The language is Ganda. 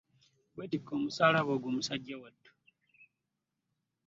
Wetikke omusaalaba gwo musajja wattu.